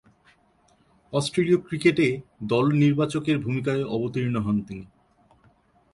অস্ট্রেলীয় ক্রিকেটে দল নির্বাচকের ভূমিকায় অবতীর্ণ হন তিনি।